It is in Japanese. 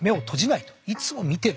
いつも見てる。